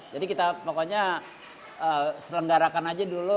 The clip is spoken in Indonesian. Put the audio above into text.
jadi kita pokoknya selenggarakan aja dulu